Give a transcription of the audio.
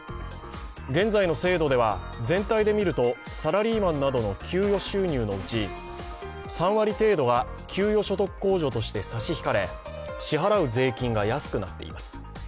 現在の制度では、全体で見るとサラリーマンなどの給与収入のうち３割程度は、給与所得控除として差し引かれ支払う税金が安くなっています。